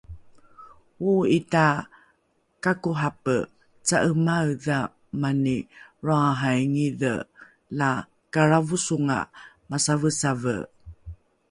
Oo'i ta kakohape ca'emaedha mani lroahaaingidhe, la kalravosonga masavesave